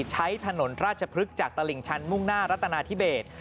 ใช้ถนนราชพฤกษ์จากตลิ่งชันมุ่งหน้ารัตนาธิเบส